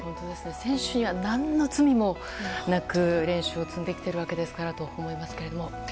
選手には何の罪もなく練習を積んできているわけですからと思いますけれども。